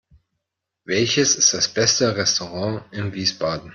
Welches ist das beste Restaurant in Wiesbaden?